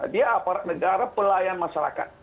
dia aparat negara pelayan masyarakat